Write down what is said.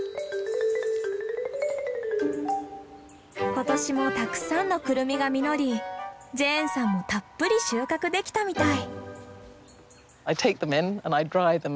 今年もたくさんのクルミが実りジェーンさんもたっぷり収穫できたみたい。